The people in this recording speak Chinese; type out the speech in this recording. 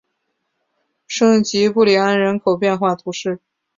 圣吉布里安人口变化图示